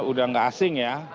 udah nggak asing ya